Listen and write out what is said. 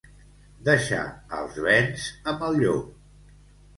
Deixar els bens amb el llop.